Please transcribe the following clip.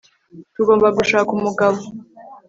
tugomba gushaka umugabo